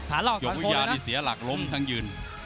ยกวิทยานี่เสียหลักล้มทั้งยืน